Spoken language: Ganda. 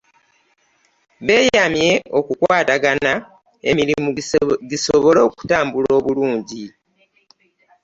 Beeyamye okukwatagana emirimu gisobole okutambula obulungi